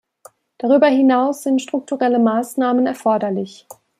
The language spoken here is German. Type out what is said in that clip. Darüber hinaus sind strukturelle Maßnahmen erforderlich.